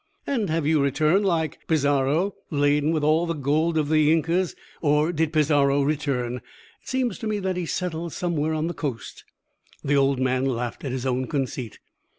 "And have you returned, like Pizarro, laden with all the gold of the Incas? Or did Pizarro return? It seems to me that he settled somewhere on the Coast." The old man laughed at his own conceit.